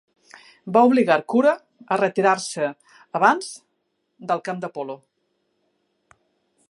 Va obligar Cura a retirar-se abans del camp de polo.